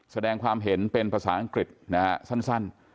แสดงความเห็นเป็นภาษาอังกฤษนะฮะสั้น